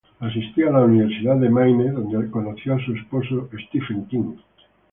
Asistía a la Universidad de Maine, donde conoció a su esposo Stephen King.